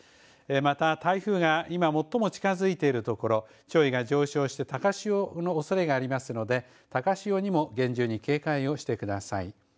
また台風が今最も近づいている所、潮位が上昇して、高潮のおそれがありますから、高潮にも厳重に警戒をしてください。